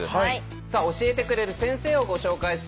さあ教えてくれる先生をご紹介したいと思います。